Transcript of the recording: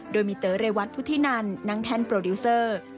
โดยมีเต๋อเรวัตพุทธินันนั่งแท่นโปรดิวเซอร์